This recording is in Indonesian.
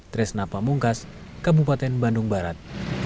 tres napa mungkas kabupaten bandung barat